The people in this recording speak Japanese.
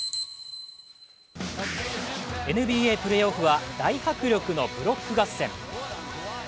ＮＢＡプレーオフは大迫力のブロック合戦。